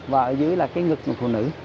và ở dưới là cái ngực của thủ nữ